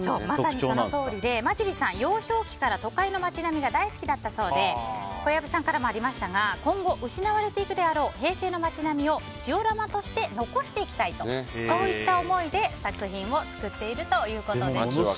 まさにそのとおりでＭＡＪＩＲＩさん、幼少期から都会の街並みが大好きだったそうで小籔さんからもありましたが今後、失われていくであろう平成の街並みをジオラマとして残していきたいとそういった思いで作品を作っているということです。